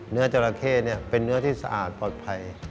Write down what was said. จราเข้เป็นเนื้อที่สะอาดปลอดภัย